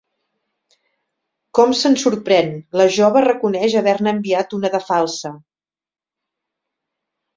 Com se'n sorprèn, la jove reconeix haver-ne enviat una de falsa.